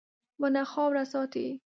• ونه خاوره ساتي.